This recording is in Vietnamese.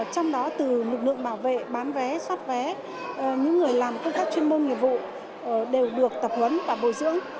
trong đó từ lực lượng bảo vệ bán vé xót vé những người làm cơ khách chuyên môn nghề vụ đều được tập huấn và bồi dưỡng